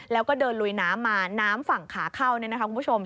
แล้วก็เดินลุยน้ำมาน้ำฝั่งขาเข้าเนี่ยนะคะคุณผู้ชม